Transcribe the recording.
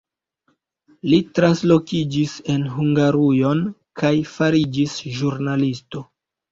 Li translokiĝis en Hungarujon kaj fariĝis ĵurnalisto.